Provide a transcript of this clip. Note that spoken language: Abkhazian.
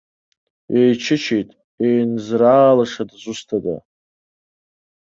Еичычеит, еинзраалаша дызусҭа?